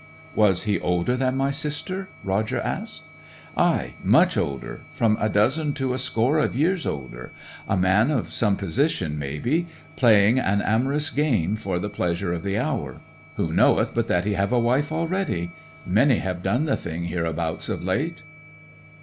'Was he older than my sister?' Roger asked. 'Ay much older; from a dozen to a score of years older. A man of some position, maybe, playing an amorous game for the pleasure of the hour. Who knoweth but that he have a wife already? Many have done the thing hereabouts of late.'